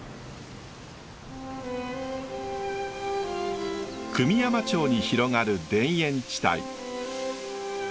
久御山町に広がる田園地帯。